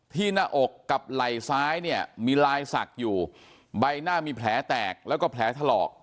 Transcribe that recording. ที่หน้าอกกับไหล่ซ้ายมีลายสักอยู่ใบหน้ามีแผลแตกแล้วก็แผลถลอก